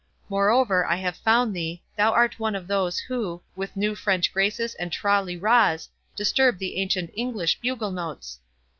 Moreover, I have found thee—thou art one of those, who, with new French graces and Tra li ras, disturb the ancient English bugle notes.